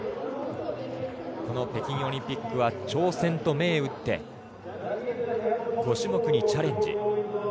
北京オリンピックは挑戦と銘打って５種目にチャレンジ。